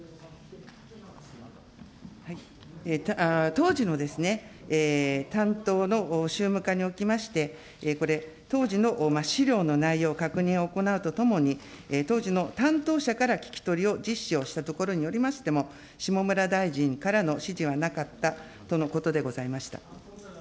当時の担当の宗務課におきまして、これ、当時の資料の内容を確認を行うとともに、当時の担当者から聞き取りを実施をしたところによりましても、下村大臣からの指示はなかったとのことでございました。